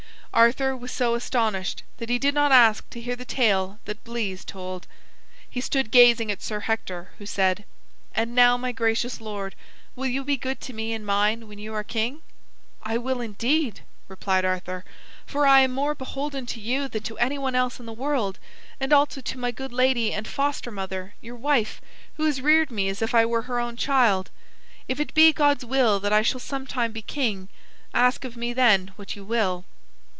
Arthur was so astonished that he did not ask to hear the tale that Bleys told. He stood gazing at Sir Hector, who said: "And now, my gracious lord, will you be good to me and mine when you are king?" "I will, indeed," replied Arthur, "for I am more beholden to you than to any one else in the world, and also to my good lady and foster mother, your wife, who has reared me as if I were her own child. If it be God's will that I shall sometime become king, ask of me then what you will."